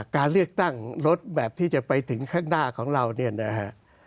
การเลือกตั้งรถแบบที่จะไปถึงข้างหน้าของเราเนี่ยนะฮะ